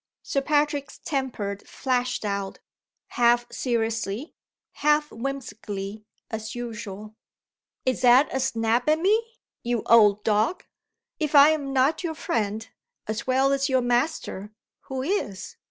Sir Patrick's temper flashed out, half seriously, half whimsically, as usual. "Is that a snap at Me, you old dog? If I am not your friend, as well as your master, who is?